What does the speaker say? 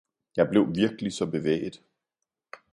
Jeg blev virkelig saa bevæget.